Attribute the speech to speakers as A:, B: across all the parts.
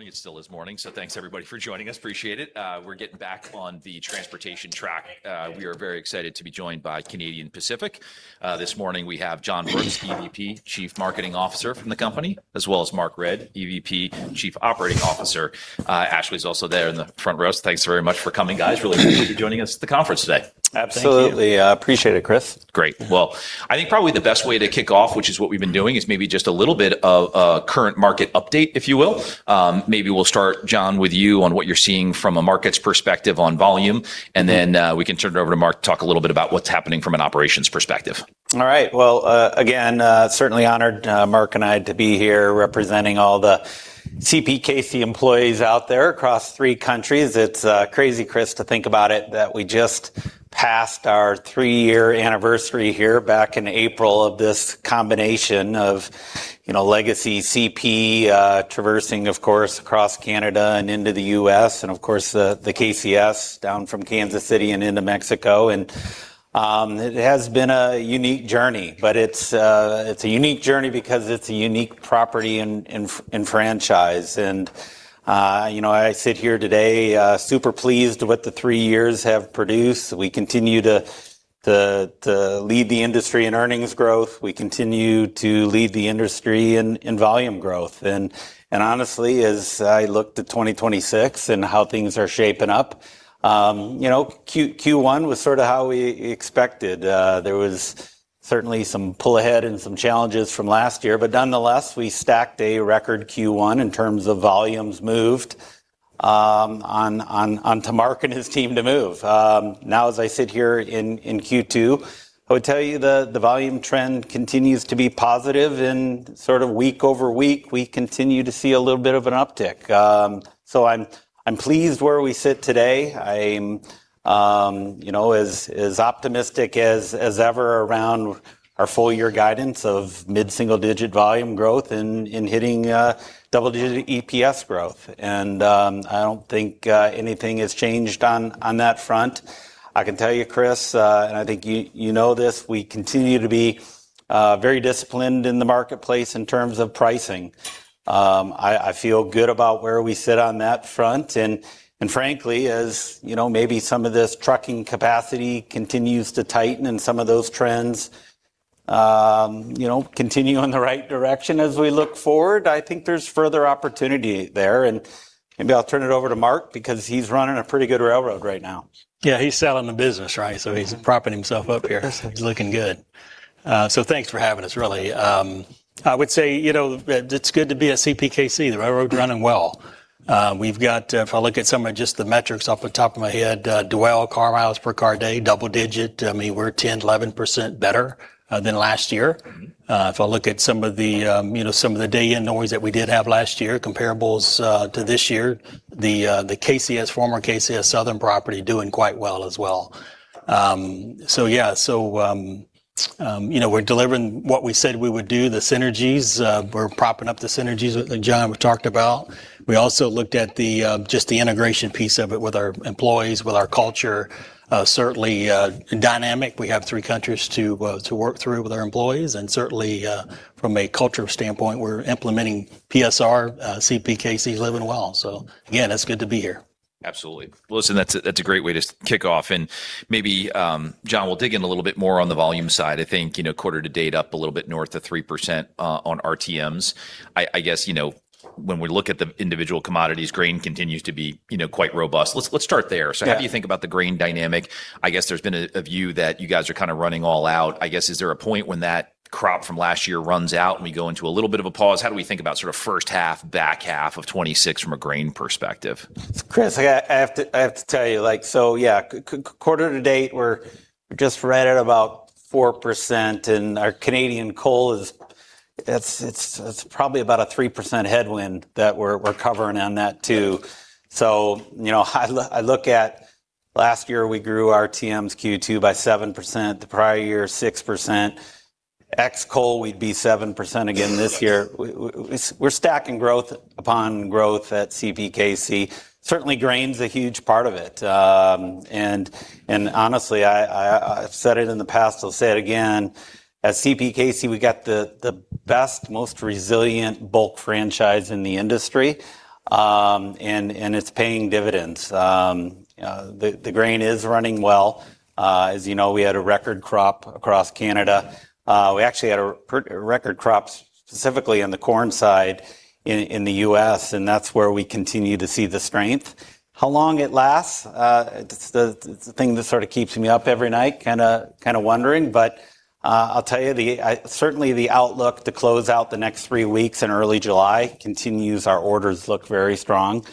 A: Morning. It still is morning. Thanks everybody for joining us. Appreciate it. We're getting back on the transportation track. We are very excited to be joined by Canadian Pacific. This morning, we have John Brooks, EVP, Chief Marketing Officer from the company, as well as Mark Redd, EVP, Chief Operating Officer. Ashley's also there in the front row. Thanks very much for coming, guys. Really appreciate you joining us at the conference today.
B: Absolutely.
C: Thank you.
B: Appreciate it, Chris.
A: Great. I think probably the best way to kick off, which is what we've been doing, is maybe just a little bit of a current market update, if you will. Maybe we'll start, John, with you on what you're seeing from a markets perspective on volume, then we can turn it over to Mark to talk a little bit about what's happening from an operations perspective.
B: All right. Well, again, certainly honored, Mark and I, to be here representing all the CPKC employees out there across three countries. It's crazy, Chris, to think about it, that we just passed our three-year anniversary here back in April of this combination of legacy CP, traversing, of course, across Canada and into the U.S., and of course, the KCS down from Kansas City and into Mexico. It has been a unique journey. It's a unique journey because it's a unique property and franchise. I sit here today super pleased with what the three years have produced. We continue to lead the industry in earnings growth. We continue to lead the industry in volume growth. Honestly, as I looked to 2026 and how things are shaping up, Q1 was sort of how we expected. There was certainly some pull ahead and some challenges from last year. Nonetheless, we stacked a record Q1 in terms of volumes moved onto Mark and his team to move. As I sit here in Q2, I would tell you the volume trend continues to be positive and sort of week over week, we continue to see a little bit of an uptick. I'm pleased where we sit today. I'm as optimistic as ever around our full year guidance of mid single-digit volume growth and hitting double-digit EPS growth. I don't think anything has changed on that front. I can tell you, Chris, and I think you know this, we continue to be very disciplined in the marketplace in terms of pricing. I feel good about where we sit on that front. Frankly, as maybe some of this trucking capacity continues to tighten and some of those trends continue in the right direction as we look forward, I think there's further opportunity there. Maybe I'll turn it over to Mark because he's running a pretty good railroad right now.
C: Yeah. He's selling the business, right? He's propping himself up here. He's looking good. Thanks for having us, really. I would say it's good to be at CPKC. The railroad's running well. If I look at some of just the metrics off the top of my head, dwell car miles per car day, double digit. I mean, we're 10%, 11% better than last year. If I look at some of the day in noise that we did have last year, comparables to this year, the former KCS Southern property doing quite well as well. Yeah. We're delivering what we said we would do, the synergies. We're propping up the synergies that John talked about. We also looked at just the integration piece of it with our employees, with our culture. Certainly dynamic. We have three countries to work through with our employees. Certainly from a culture standpoint, we're implementing PSR. CPKC is living well. Again, it's good to be here.
A: Absolutely. Well, listen, that's a great way to kick off. Maybe, John, we'll dig in a little bit more on the volume side. I think quarter to date up a little bit north of 3% on RTMs. I guess when we look at the individual commodities, grain continues to be quite robust. Let's start there.
B: Yeah.
A: How do you think about the grain dynamic? I guess there's been a view that you guys are kind of running all out. I guess, is there a point when that crop from last year runs out and we go into a little bit of a pause? How do we think about sort of first half, back half of 2026 from a grain perspective?
B: Chris, I have to tell you. Yeah, quarter to date, we're just right at about 4%, and our Canadian coal is probably about a 3% headwind that we're covering on that too. I look at last year, we grew our RTMs Q2 by 7%, the prior year 6%. Ex coal, we'd be 7% again this year. We're stacking growth upon growth at CPKC. Certainly grain's a huge part of it. Honestly, I've said it in the past, I'll say it again. At CPKC, we got the best, most resilient bulk franchise in the industry, and it's paying dividends. The grain is running well. As you know, we had a record crop across Canada. We actually had a record crop specifically on the corn side in the U.S., and that's where we continue to see the strength. How long it lasts, it's the thing that sort of keeps me up every night kind of wondering. I'll tell you, certainly the outlook to close out the next three weeks in early July continues. Our orders look very strong.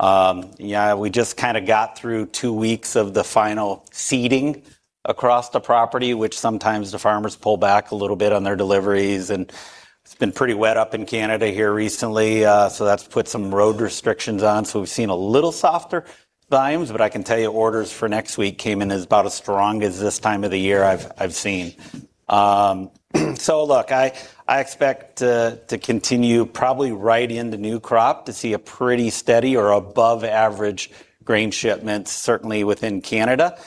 B: We just kind of got through two weeks of the final seeding across the property, which sometimes the farmers pull back a little bit on their deliveries. It's been pretty wet up in Canada here recently. That's put some road restrictions on. We've seen a little softer volumes. I can tell you orders for next week came in as about as strong as this time of the year I've seen. Look, I expect to continue probably right into new crop to see a pretty steady or above average grain shipments, certainly within Canada.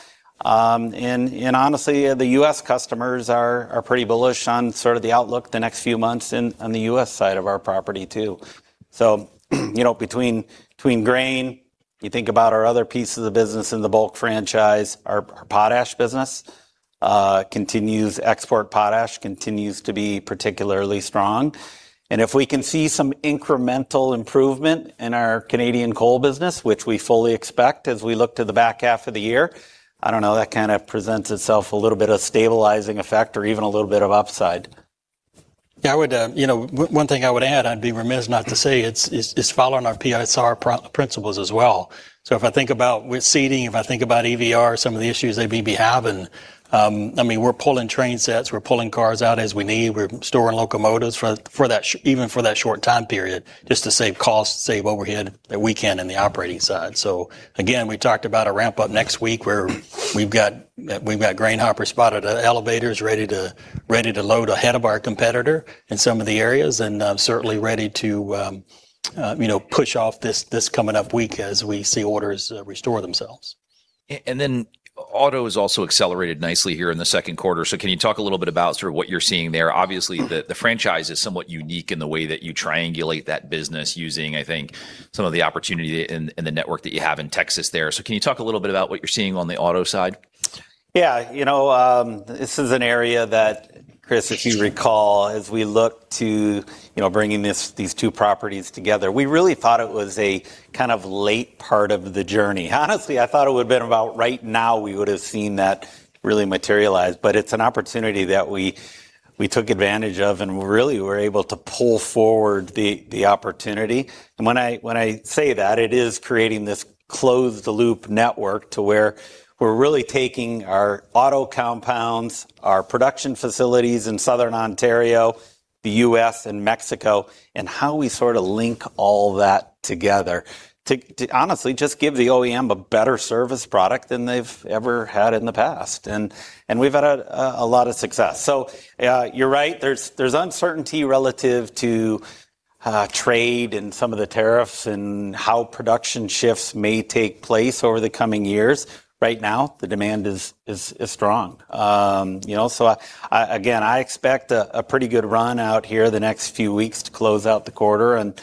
B: Honestly, the U.S. customers are pretty bullish on the outlook the next few months on the U.S. side of our property too. Between grain, you think about our other pieces of business in the bulk franchise, our potash business continues, export potash continues to be particularly strong. If we can see some incremental improvement in our Canadian coal business, which we fully expect as we look to the back half of the year, I don't know, that kind of presents itself a little bit of stabilizing effect or even a little bit of upside. One thing I would add, I'd be remiss not to say, it's following our PSR principles as well. If I think about with seeding, if I think about EVR, some of the issues they may be having, we're pulling train sets, we're pulling cars out as we need. We're storing locomotives even for that short time period, just to save costs, save overhead that we can in the operating side. Again, we talked about a ramp up next week where we've got grain hoppers spotted at elevators ready to load ahead of our competitor in some of the areas, and certainly ready to push off this coming up week as we see orders restore themselves.
A: Auto has also accelerated nicely here in the second quarter. Can you talk a little bit about what you're seeing there? Obviously the franchise is somewhat unique in the way that you triangulate that business using, I think, some of the opportunity and the network that you have in Texas there. Can you talk a little bit about what you're seeing on the auto side?
B: This is an area that, Chris, if you recall, as we look to bringing these two properties together, we really thought it was a kind of late part of the journey. Honestly, I thought it would've been about right now we would've seen that really materialize. It's an opportunity that we took advantage of and really were able to pull forward the opportunity. When I say that, it is creating this closed loop network to where we're really taking our auto compounds, our production facilities in Southern Ontario, the U.S. and Mexico, and how we sort of link all that together to honestly just give the OEM a better service product than they've ever had in the past. We've had a lot of success. Yeah, you're right. There's uncertainty relative to trade and some of the tariffs and how production shifts may take place over the coming years. Right now, the demand is strong. Again, I expect a pretty good run out here the next few weeks to close out the quarter in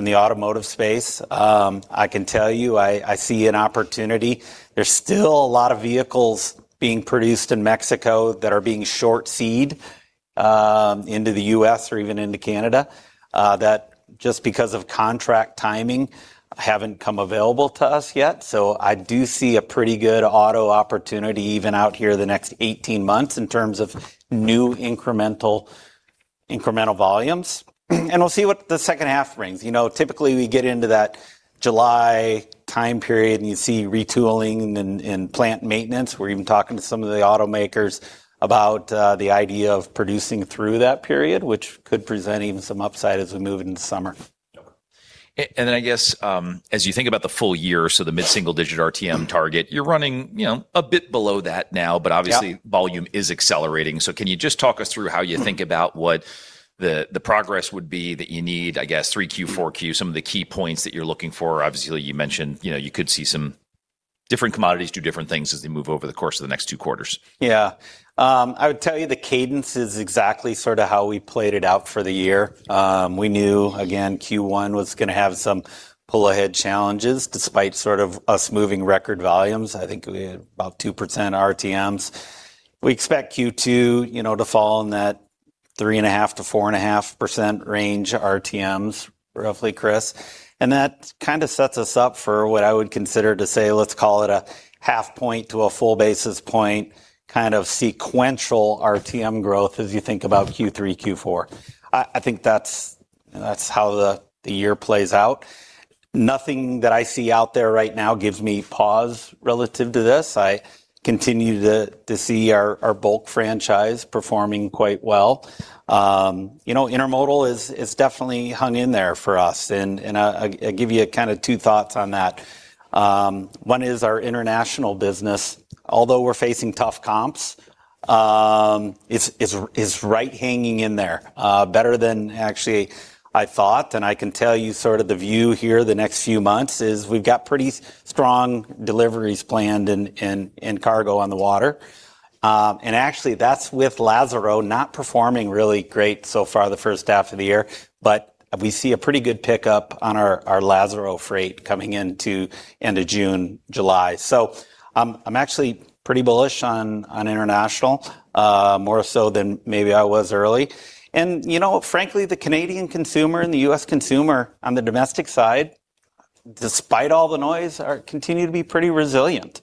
B: the automotive space. I can tell you, I see an opportunity. There's still a lot of vehicles being produced in Mexico that are being short-haul into the U.S. or even into Canada, that just because of contract timing, haven't come available to us yet. I do see a pretty good auto opportunity even out here the next 18 months in terms of new incremental volumes. We'll see what the second half brings. Typically, we get into that July time period and you see retooling and plant maintenance. We're even talking to some of the automakers about the idea of producing through that period, which could present even some upside as we move into summer.
A: Sure. I guess, as you think about the full year, the mid-single-digit RTM target, you're running a bit below that now.
B: Yeah.
A: Obviously volume is accelerating. Can you just talk us through how you think about what the progress would be that you need, I guess 3Q, 4Q, some of the key points that you're looking for? Obviously, you mentioned you could see some different commodities do different things as they move over the course of the next two quarters.
B: Yeah. I would tell you the cadence is exactly how we played it out for the year. We knew, again, Q1 was going to have some pull ahead challenges despite us moving record volumes. I think we had about 2% RTMs. We expect Q2 to fall in that 3.5%-4.5% range RTMs roughly, Chris. That kind of sets us up for what I would consider to say, let's call it a half point to a full basis point, kind of sequential RTM growth as you think about Q3, Q4. I think that's how the year plays out. Nothing that I see out there right now gives me pause relative to this. I continue to see our bulk franchise performing quite well. Intermodal has definitely hung in there for us, I'll give you two thoughts on that. One is our international business. Although we're facing tough comps, it's right hanging in there. Better than actually I thought, I can tell you the view here the next few months is we've got pretty strong deliveries planned and cargo on the water. Actually that's with Lázaro not performing really great so far the first half of the year. We see a pretty good pickup on our Lázaro freight coming into end of June, July. I'm actually pretty bullish on international. More so than maybe I was early. Frankly, the Canadian consumer and the U.S. consumer on the domestic side, despite all the noise, continue to be pretty resilient.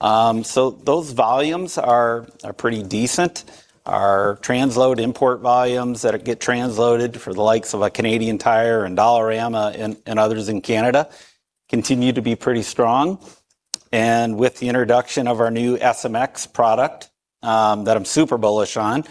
B: Those volumes are pretty decent. Our transload import volumes that get transloaded for the likes of a Canadian Tire and Dollarama and others in Canada continue to be pretty strong. With the introduction of our new SMX product, that I'm super bullish on,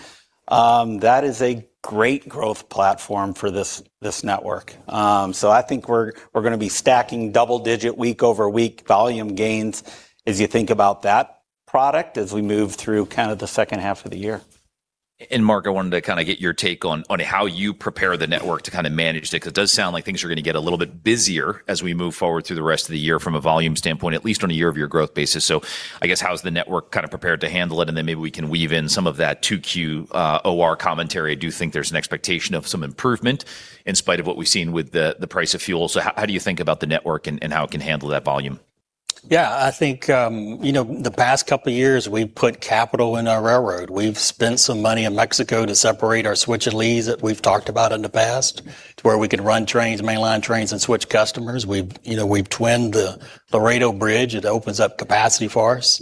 B: that is a great growth platform for this network. I think we're going to be stacking double-digit week-over-week volume gains as you think about that product as we move through the second half of the year.
A: Mark, I wanted to get your take on how you prepare the network to manage that, because it does sound like things are going to get a little bit busier as we move forward through the rest of the year from a volume standpoint, at least on a year-over-year growth basis. I guess, how is the network prepared to handle it? Then maybe we can weave in some of that 2Q OR commentary. I do think there's an expectation of some improvement in spite of what we've seen with the price of fuel. How do you think about the network and how it can handle that volume?
C: I think the past couple of years, we've put capital in our railroad. We've spent some money in Mexico to separate our switch and leads that we've talked about in the past to where we can run trains, mainline trains, and switch customers. We've twinned the Laredo Bridge. It opens up capacity for us.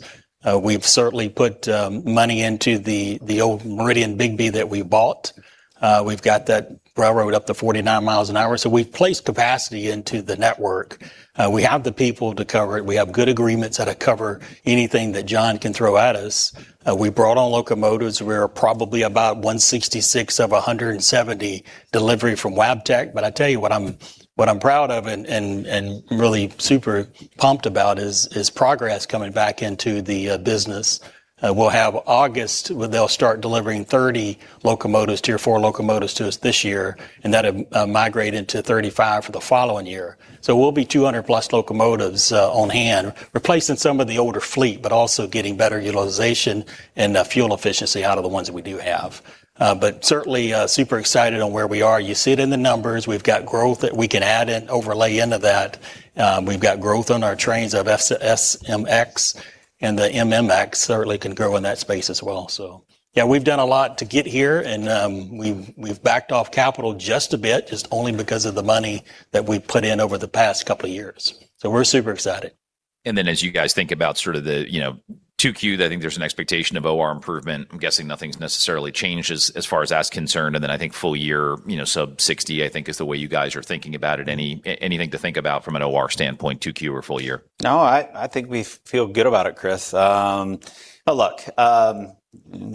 C: We've certainly put money into the old Meridian & Bigbee that we bought. We've got that railroad up to 49 miles an hour. We've placed capacity into the network. We have the people to cover it. We have good agreements that cover anything that John can throw at us. We brought on locomotives. We're probably about 166 of 170 delivery from Wabtec. But I tell you what I'm proud of and really super pumped about is Progress Rail coming back into the business. We'll have August, where they'll start delivering 30 locomotives, Tier 4 locomotives to us this year, and that will migrate into 35 for the following year. We'll be 200+ locomotives on hand, replacing some of the older fleet, but also getting better utilization and fuel efficiency out of the ones that we do have. But certainly super excited on where we are. You see it in the numbers. We've got growth that we can add and overlay into that. We've got growth on our trains of SMX and the MMX certainly can grow in that space as well. We've done a lot to get here and we've backed off capital just a bit, only because of the money that we've put in over the past couple of years. We're super excited.
A: As you guys think about the 2Q, I think there's an expectation of OR improvement. I'm guessing nothing's necessarily changed as far as that's concerned. I think full year sub 60, I think is the way you guys are thinking about it. Anything to think about from an OR standpoint, 2Q or full year?
C: No, I think we feel good about it, Chris. Look,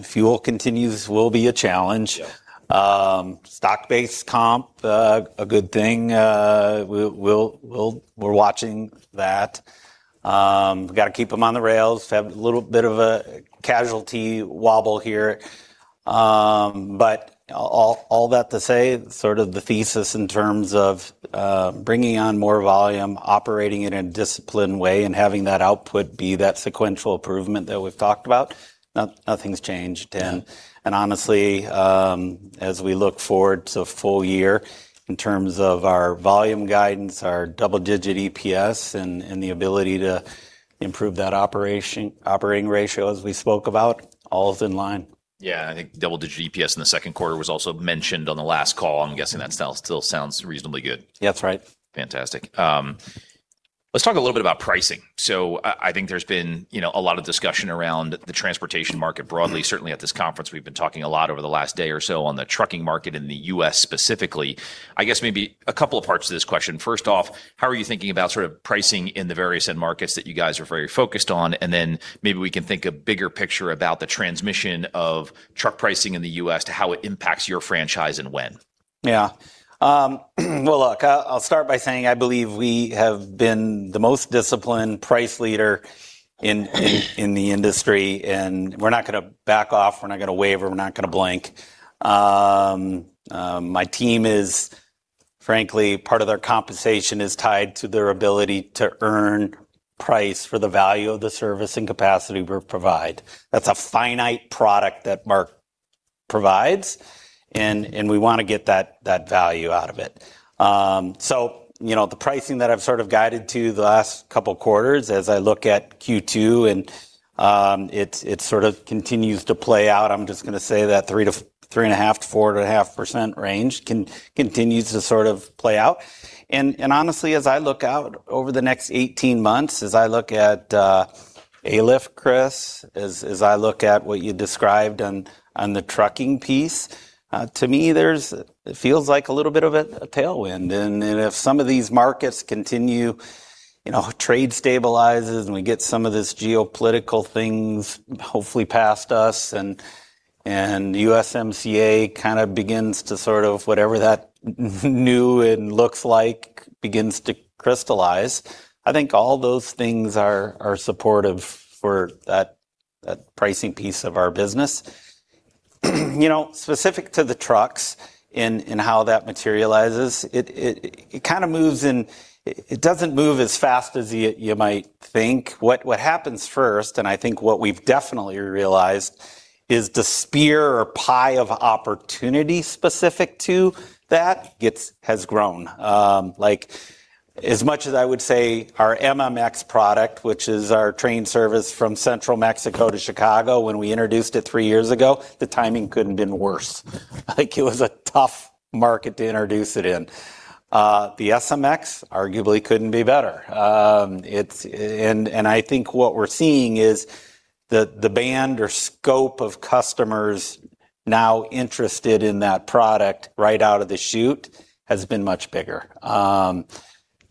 C: fuel continues will be a challenge.
A: Yeah.
C: Stock-based comp, a good thing. We're watching that. Got to keep them on the rails, have a little bit of a casualty wobble here. All that to say, the thesis in terms of bringing on more volume, operating in a disciplined way, and having that output be that sequential improvement that we've talked about, nothing's changed. Honestly, as we look forward to full year in terms of our volume guidance, our double-digit EPS, and the ability to improve that operating ratio as we spoke about, all is in line.
A: Yeah, I think double-digit EPS in the second quarter was also mentioned on the last call. I'm guessing that still sounds reasonably good.
C: That's right.
A: Fantastic. Let's talk a little bit about pricing. I think there's been a lot of discussion around the transportation market broadly. Certainly at this conference, we've been talking a lot over the last day or so on the trucking market in the U.S. specifically. I guess maybe a couple of parts to this question. First off, how are you thinking about pricing in the various end markets that you guys are very focused on? Maybe we can think a bigger picture about the transmission of truck pricing in the U.S. to how it impacts your franchise and when.
B: I'll start by saying I believe we have been the most disciplined price leader in the industry, we're not going to back off, we're not going to waver, we're not going to blink. My team is frankly, part of their compensation is tied to their ability to earn price for the value of the service and capacity we provide. That's a finite product that Mark provides, and we want to get that value out of it. The pricing that I've guided to the last couple of quarters as I look at Q2 and it continues to play out. I'm just going to say that 3.5%-4.5% range continues to play out. As I look out over the next 18 months, as I look at ALIF, Chris, as I look at what you described on the trucking piece, to me, it feels like a little bit of a tailwind. If some of these markets continue, trade stabilizes, and we get some of these geopolitical things hopefully past us and USMCA begins to, whatever that new and looks like, begins to crystallize. I think all those things are supportive for that pricing piece of our business. Specific to the trucks and how that materializes, it doesn't move as fast as you might think. What happens first, and I think what we've definitely realized is the spear or pie of opportunity specific to that has grown. As much as I would say our MMX product, which is our train service from central Mexico to Chicago, when we introduced it three years ago, the timing couldn't have been worse. Like it was a tough market to introduce it in. The SMX arguably couldn't be better. I think what we're seeing is the band or scope of customers now interested in that product right out of the chute has been much bigger.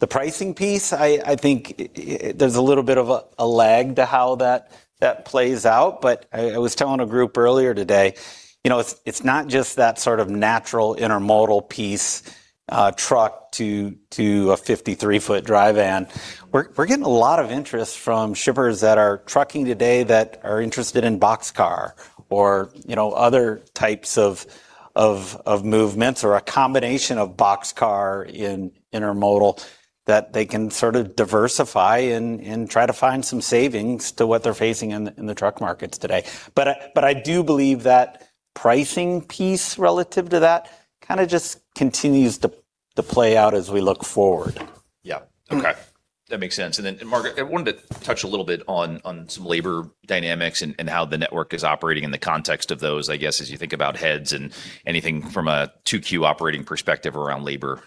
B: The pricing piece, I think there's a little bit of a lag to how that plays out. I was telling a group earlier today, it's not just that natural intermodal piece- ...a truck to a 53-foot dry van. We're getting a lot of interest from shippers that are trucking today that are interested in box car or other types of movements or a combination of box car in intermodal that they can sort of diversify and try to find some savings to what they're facing in the truck markets today. I do believe that pricing piece relative to that kind of just continues to play out as we look forward.
A: Yeah. Okay. That makes sense. Mark, I wanted to touch a little bit on some labor dynamics and how the network is operating in the context of those, I guess, as you think about heads and anything from a 2Q operating perspective around labor.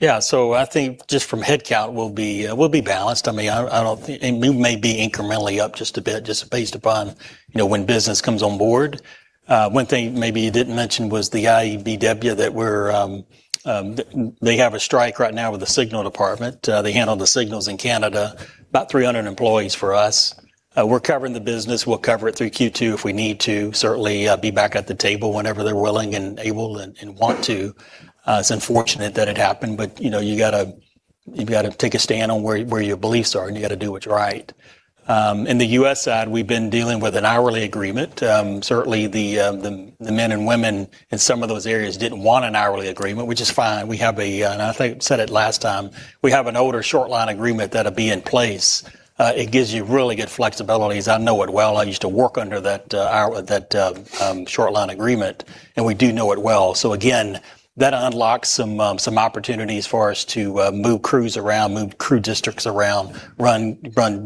C: Yeah. I think just from headcount, we'll be balanced. We may be incrementally up just a bit just based upon when business comes on board. One thing maybe you didn't mention was the IBEW, they have a strike right now with the signal department. They handle the signals in Canada, about 300 employees for us. We're covering the business. We'll cover it through Q2 if we need to. Certainly, be back at the table whenever they're willing and able and want to. It's unfortunate that it happened, but you've got to take a stand on where your beliefs are, and you got to do what's right. In the U.S. side, we've been dealing with an hourly agreement. Certainly, the men and women in some of those areas didn't want an hourly agreement, which is fine. I think I said it last time, we have an older short line agreement that'll be in place. It gives you really good flexibilities. I know it well. I used to work under that short line agreement, and we do know it well. Again, that unlocks some opportunities for us to move crews around, move crew districts around, run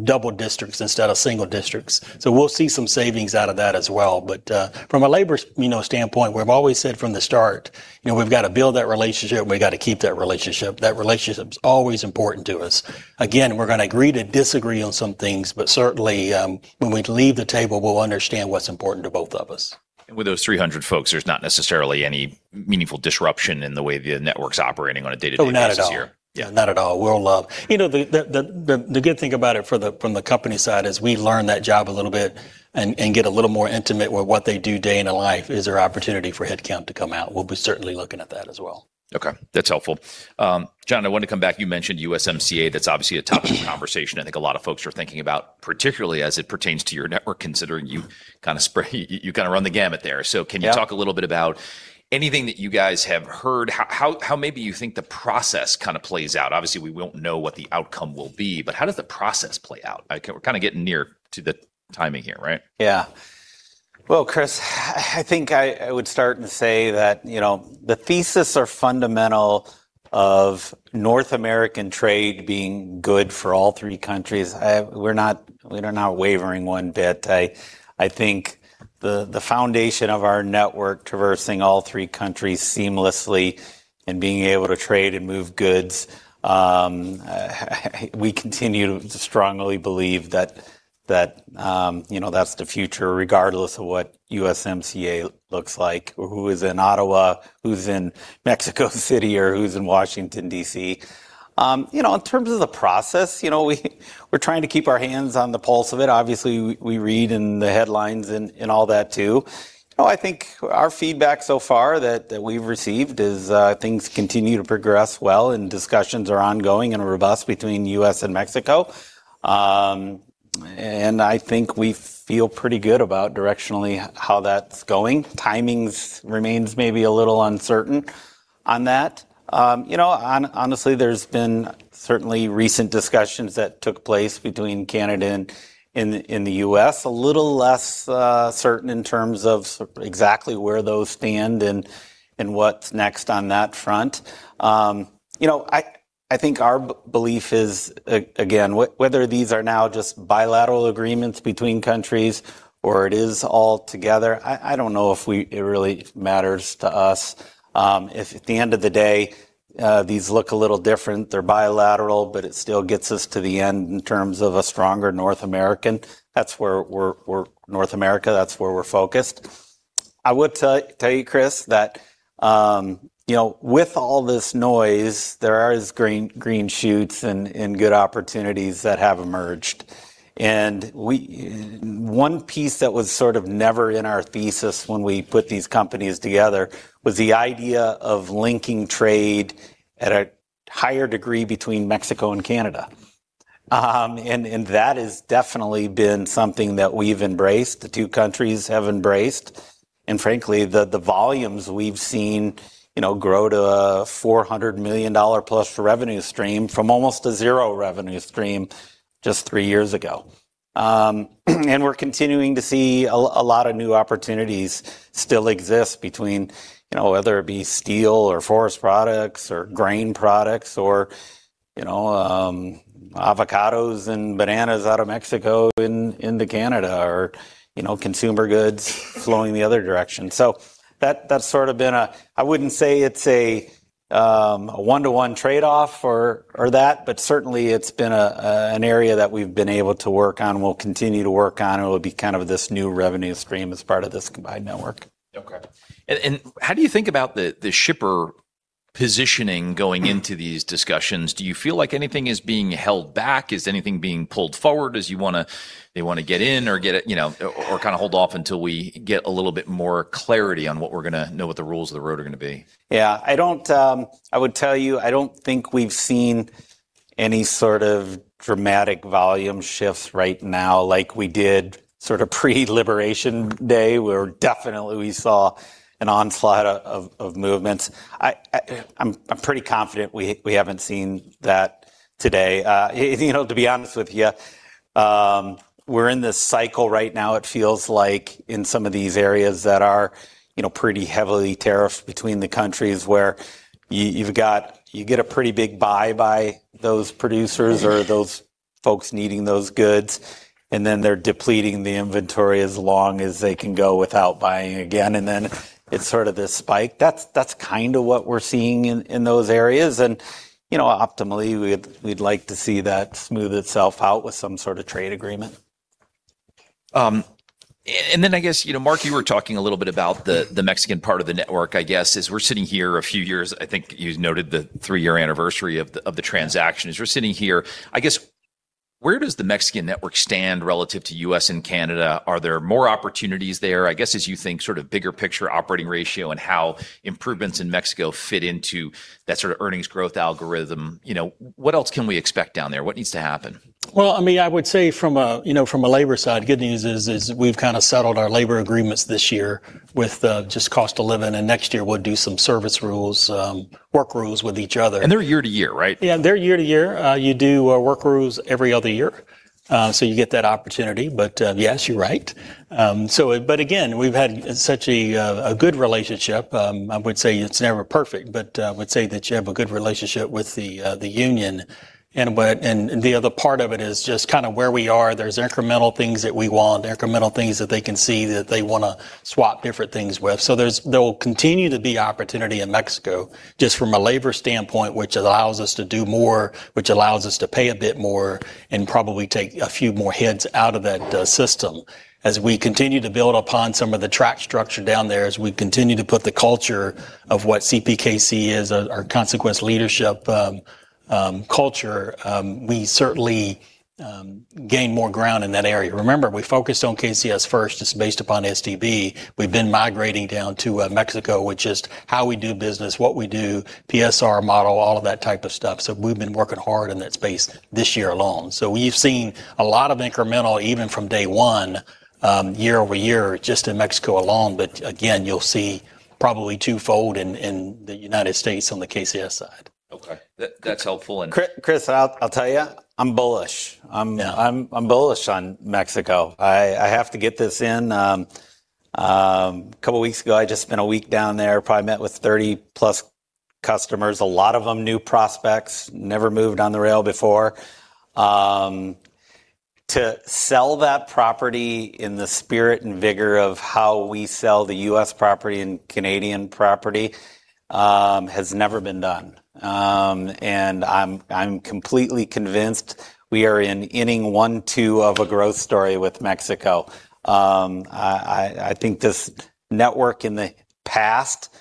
C: double districts instead of single districts. We'll see some savings out of that as well. From a labor standpoint, we've always said from the start we've got to build that relationship, we've got to keep that relationship. That relationship's always important to us. Again, we're going to agree to disagree on some things, but certainly, when we leave the table, we'll understand what's important to both of us.
A: With those 300 folks, there's not necessarily any meaningful disruption in the way the network's operating on a day-to-day basis here.
C: Oh, not at all.
A: Yeah.
C: Not at all. We're in love. The good thing about it from the company side is we learn that job a little bit and get a little more intimate with what they do day in a life. Is there opportunity for headcount to come out? We'll be certainly looking at that as well.
A: Okay. That's helpful. John, I wanted to come back. You mentioned USMCA, that's obviously a topic of conversation I think a lot of folks are thinking about, particularly as it pertains to your network, considering you kind of run the gamut there.
B: Yeah.
A: Can you talk a little bit about anything that you guys have heard, how maybe you think the process kind of plays out? Obviously, we won't know what the outcome will be, but how does the process play out? We're kind of getting near to the timing here, right?
B: Well, Chris, I think I would start and say that the thesis are fundamental of North American trade being good for all three countries. We're not wavering one bit. I think the foundation of our network traversing all three countries seamlessly and being able to trade and move goods, we continue to strongly believe that that's the future regardless of what USMCA looks like or who is in Ottawa, who's in Mexico City or who's in Washington, D.C. In terms of the process, we're trying to keep our hands on the pulse of it. Obviously, we read in the headlines and all that too. I think our feedback so far that we've received is things continue to progress well and discussions are ongoing and robust between U.S. and Mexico. I think we feel pretty good about directionally how that's going. Timings remains maybe a little uncertain on that. Honestly, there's been certainly recent discussions that took place between Canada and the U.S. A little less certain in terms of exactly where those stand and what's next on that front. I think our belief is, again, whether these are now just bilateral agreements between countries or it is all together, I don't know if it really matters to us. If at the end of the day, these look a little different, they're bilateral, but it still gets us to the end in terms of a stronger North America, that's where we're focused. I would tell you, Chris, that with all this noise, there is green shoots and good opportunities that have emerged. One piece that was sort of never in our thesis when we put these companies together was the idea of linking trade at a higher degree between Mexico and Canada. That has definitely been something that we've embraced, the two countries have embraced. Frankly, the volumes we've seen grow to a 400+ million dollar revenue stream from almost a zero revenue stream just three years ago. We're continuing to see a lot of new opportunities still exist between whether it be steel or forest products or grain products or avocados and bananas out of Mexico into Canada or consumer goods flowing the other direction. That's sort of been a, I wouldn't say it's a one-to-one trade-off or that, but certainly it's been an area that we've been able to work on and we'll continue to work on. It'll be kind of this new revenue stream as part of this combined network.
A: Okay. How do you think about the shipper positioning going into these discussions? Do you feel like anything is being held back? Is anything being pulled forward? Do they want to get in or kind of hold off until we get a little bit more clarity on what we're going to know what the rules of the road are going to be?
B: Yeah. I would tell you, I don't think we've seen any sort of dramatic volume shifts right now, like we did sort of pre-liberation day, where definitely we saw an onslaught of movements. I'm pretty confident we haven't seen that today. To be honest with you, we're in this cycle right now, it feels like in some of these areas that are pretty heavily tariffed between the countries where you get a pretty big buy by those producers or those folks needing those goods, and then they're depleting the inventory as long as they can go without buying again. Then it's sort of this spike. That's kind of what we're seeing in those areas. Optimally, we'd like to see that smooth itself out with some sort of trade agreement.
A: I guess, Mark, you were talking a little bit about the Mexican part of the network, I guess. As we're sitting here a few years, I think you noted the three-year anniversary of the transaction. As we're sitting here, I guess, where does the Mexican network stand relative to U.S. and Canada? Are there more opportunities there? I guess, as you think sort of bigger picture operating ratio and how improvements in Mexico fit into that sort of earnings growth algorithm. What else can we expect down there? What needs to happen?
C: I would say from a labor side, good news is we've kind of settled our labor agreements this year with just cost of living, and next year we'll do some service rules, work rules with each other.
A: They're year to year, right?
C: They're year to year. You do work rules every other year, so you get that opportunity. Yes, you're right. Again, we've had such a good relationship. I would say it's never perfect, but I would say that you have a good relationship with the union. The other part of it is just kind of where we are. There's incremental things that we want, incremental things that they can see that they want to swap different things with. There'll continue to be opportunity in Mexico, just from a labor standpoint, which allows us to do more, which allows us to pay a bit more and probably take a few more heads out of that system. As we continue to build upon some of the track structure down there, as we continue to put the culture of what CPKC is, our Consequence Leadership culture, we certainly gain more ground in that area. Remember, we focused on KCS first. It's based upon STB. We've been migrating down to Mexico with just how we do business, what we do, PSR model, all of that type of stuff. We've been working hard in that space this year along. We've seen a lot of incremental, even from day one, year over year, just in Mexico alone. Again, you'll see probably twofold in the United States on the KCS side.
A: Okay. That's helpful.
B: Chris, I'll tell you, I'm bullish.
A: Yeah.
B: I'm bullish on Mexico. I have to get this in. A couple of weeks ago, I just spent a week down there, probably met with 30+ customers, a lot of them new prospects, never moved on the rail before. To sell that property in the spirit and vigor of how we sell the U.S. property and Canadian property, has never been done. I'm completely convinced we are in inning one two of a growth story with Mexico. I think this network in the past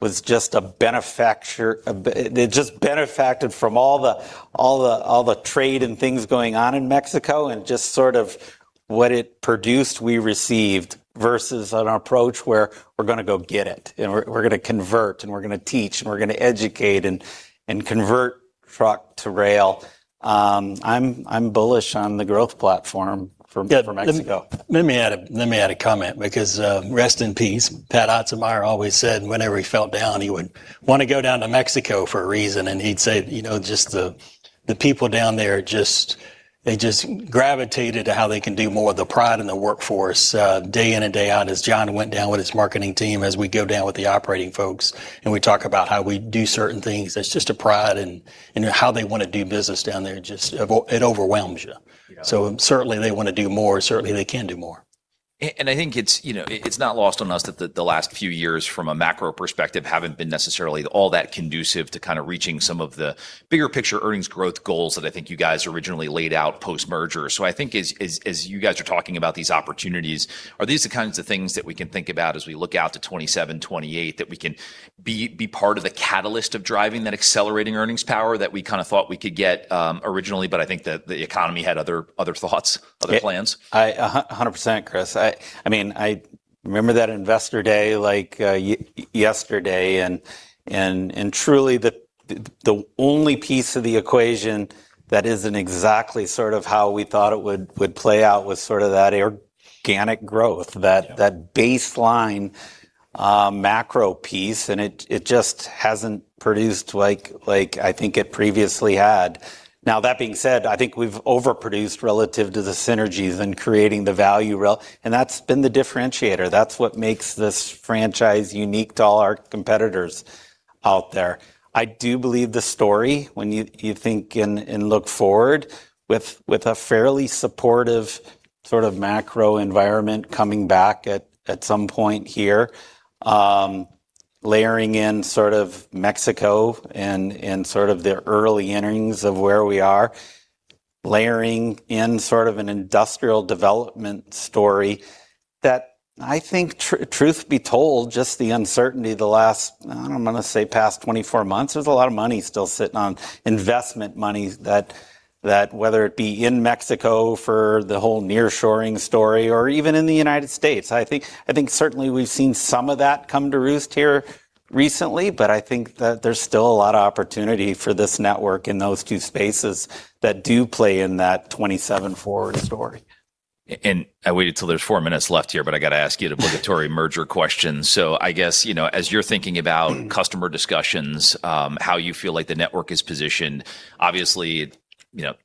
B: was just a benefaction. It just benefacted from all the trade and things going on in Mexico and just sort of what it produced, we received, versus an approach where we're going to go get it and we're going to convert and we're going to teach and we're going to educate and convert truck to rail. I'm bullish on the growth platform for Mexico.
C: Let me add a comment because, rest in peace, Pat Ottensmeyer always said whenever he felt down, he would want to go down to Mexico for a reason, and he'd say, "Just the people down there, they just gravitated to how they can do more." The pride in the workforce day in and day out as John went down with his marketing team, as we go down with the operating folks and we talk about how we do certain things. There's just a pride in how they want to do business down there. It overwhelms you.
A: Yeah.
C: Certainly they want to do more. Certainly, they can do more.
A: I think it's not lost on us that the last few years from a macro perspective haven't been necessarily all that conducive to kind of reaching some of the bigger picture earnings growth goals that I think you guys originally laid out post-merger. I think as you guys are talking about these opportunities, are these the kinds of things that we can think about as we look out to 2027, 2028, that we can be part of the catalyst of driving that accelerating earnings power that we kind of thought we could get originally, but I think that the economy had other thoughts, other plans?
B: 100%, Chris. I remember that Investor Day like yesterday. Truly, the only piece of the equation that isn't exactly sort of how we thought it would play out was sort of that organic growth.
A: Yeah.
B: That baseline macro piece, and it just hasn't produced like I think it previously had. That being said, I think we've overproduced relative to the synergies in creating the value rail, and that's been the differentiator. That's what makes this franchise unique to all our competitors out there. I do believe the story when you think and look forward with a fairly supportive sort of macro environment coming back at some point here. Layering in sort of Mexico and sort of the early innings of where we are. Layering in sort of an industrial development story that I think truth be told, just the uncertainty the last, I'm going to say past 24 months. There's a lot of money still sitting on investment money that whether it be in Mexico for the whole near shoring story or even in the U.S. I think certainly we've seen some of that come to roost here recently, but I think that there's still a lot of opportunity for this network in those two spaces that do play in that 2027 forward story.
A: I waited till there's four minutes left here. I got to ask you the purgatory merger question. As you're thinking about customer discussions, how you feel like the network is positioned, obviously,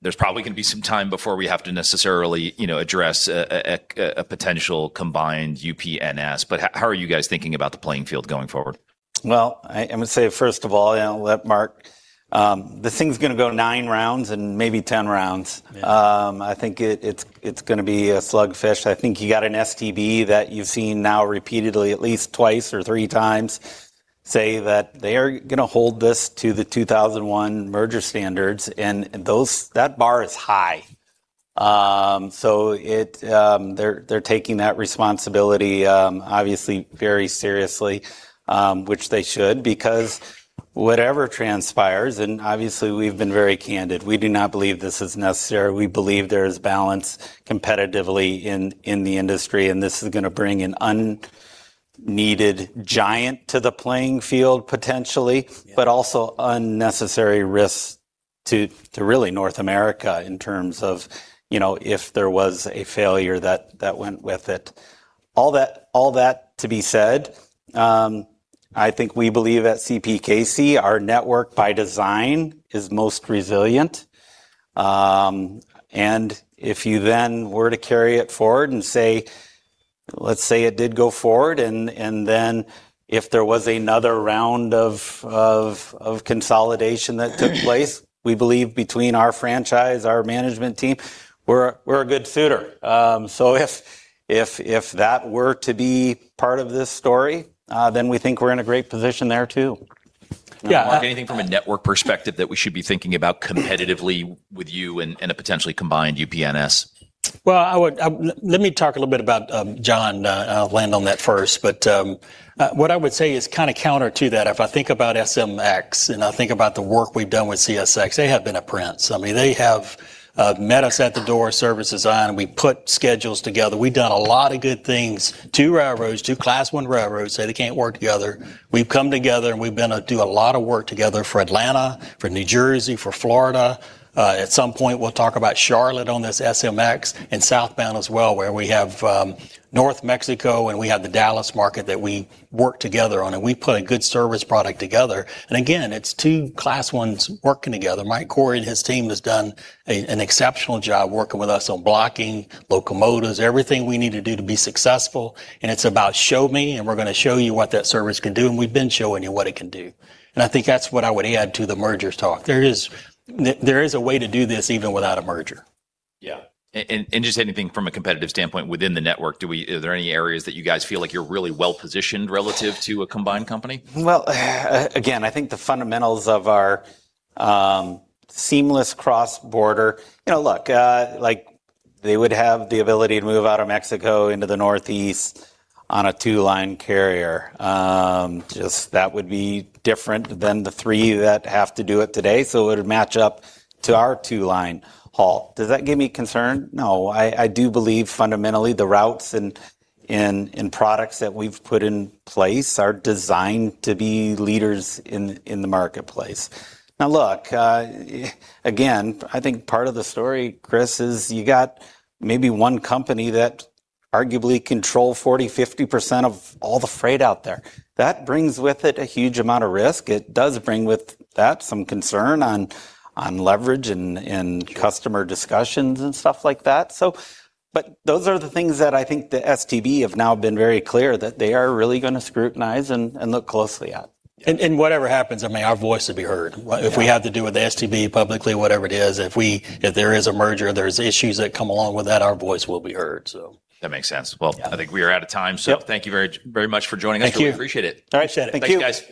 A: there's probably going to be some time before we have to necessarily address a potential combined UP-NS. How are you guys thinking about the playing field going forward?
B: I'm going to say, first of all, I'll let Mark. This thing's going to go nine rounds and maybe 10 rounds.
A: Yeah.
B: I think it's going to be a slug fest. I think you got an STB that you've seen now repeatedly at least twice or three times say that they are going to hold this to the 2001 merger standards. That bar is high. They're taking that responsibility obviously very seriously, which they should because whatever transpires, and obviously we've been very candid, we do not believe this is necessary. We believe there is balance competitively in the industry, and this is going to bring an unneeded giant to the playing field potentially.
A: Yeah.
B: Also unnecessary risk to really North America in terms of if there was a failure that went with it. All that to be said, I think we believe at CPKC, our network by design is most resilient. If you then were to carry it forward and let's say it did go forward and then if there was another round of consolidation that took place, we believe between our franchise, our management team, we're a good suitor. If that were to be part of this story, then we think we're in a great position there too.
A: Yeah. Mark, anything from a network perspective that we should be thinking about competitively with you and a potentially combined UP-NS?
C: Well, let me talk a little bit about John, I'll land on that first. What I would say is kind of counter to that, if I think about SMX and I think about the work we've done with CSX, they have been a prince. They have met us at the door, service design, we put schedules together. We've done a lot of good things. Two railroads, two Class I railroads, say they can't work together. We've come together and we've been to do a lot of work together for Atlanta, for New Jersey, for Florida. At some point, we'll talk about Charlotte on this SMX and southbound as well, where we have North Mexico and we have the Dallas market that we work together on, and we put a good service product together. Again, it's two Class Is working together. Mike Cory and his team has done an exceptional job working with us on blocking locomotives, everything we need to do to be successful. It's about show me and we're going to show you what that service can do. We've been showing you what it can do. I think that's what I would add to the mergers talk. There is a way to do this even without a merger.
A: Yeah. Just anything from a competitive standpoint within the network, are there any areas that you guys feel like you're really well-positioned relative to a combined company?
C: Well, again, I think the fundamentals of our seamless cross border. They would have the ability to move out of Mexico into the northeast on a two-line carrier. Just that would be different than the three that have to do it today. It would match up to our two-line haul. Does that give me concern? No. I do believe fundamentally the routes and products that we've put in place are designed to be leaders in the marketplace. Now look, again, I think part of the story, Chris, is you got maybe one company that arguably control 40%, 50% of all the freight out there. That brings with it a huge amount of risk. It does bring with that some concern on leverage and customer discussions and stuff like that. Those are the things that I think the STB have now been very clear that they are really going to scrutinize and look closely at. Whatever happens, our voice will be heard.
B: Yeah.
C: If we have to do with the STB publicly, whatever it is, if there is a merger, there's issues that come along with that, our voice will be heard.
A: That makes sense. I think we are out of time.
C: Yep.
A: Thank you very much for joining us.
B: Thank you.
A: We appreciate it.
C: All right, Chris. Thank you.
A: Thanks, guys.